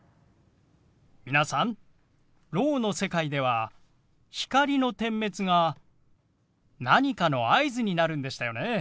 皆さんろうの世界では光の点滅が何かの合図になるんでしたよね。